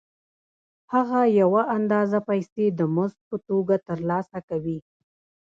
هغه یوه اندازه پیسې د مزد په توګه ترلاسه کوي